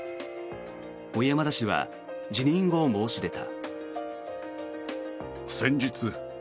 小山田氏は辞任を申し出た。